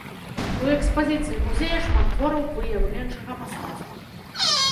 У экспазіцыі музея шмат твораў выяўленчага мастацтва.